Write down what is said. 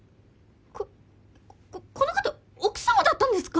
ここの方奥さまだったんですか！？